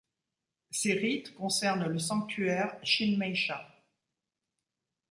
Ses rites concernent le sanctuaire Shinmei-sha.